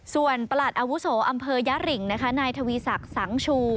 ส่วนประหลัดอาวุโสอำเภอยะริงนะคะนายทวีศักดิ์สังชู